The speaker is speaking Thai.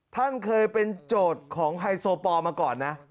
ท่านเคยเป็นโจทย์ของไฮโซปอลมาก่อนนะ